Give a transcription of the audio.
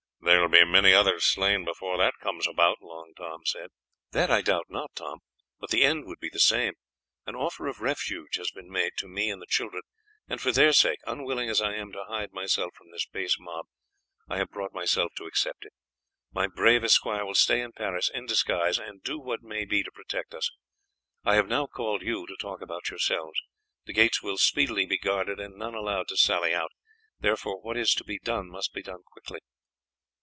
"There will be many others slain before that comes about," Long Tom said. "That I doubt not, Tom, but the end would be the same. An offer of refuge has been made to me and the children, and for their sake, unwilling as I am to hide myself from this base mob, I have brought myself to accept it. My brave esquire will stay in Paris in disguise, and do what may be to protect us. I have now called you to talk about yourselves. The gates will speedily be guarded and none allowed to sally out, therefore what is to be done must be done quickly."